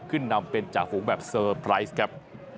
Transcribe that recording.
ขึ้นนำเป็นจ่าฝูงแบบเซอร์ไพรส์ครับ